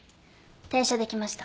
転写できました。